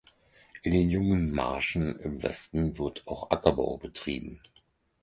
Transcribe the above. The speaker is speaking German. In den jungen Marschen im Westen wird auch Ackerbau betrieben.